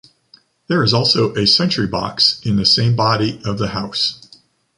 There is also a sentry box in the same body of the house.